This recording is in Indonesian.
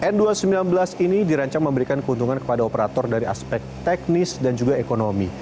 n dua ratus sembilan belas ini dirancang memberikan keuntungan kepada operator dari aspek teknis dan juga ekonomi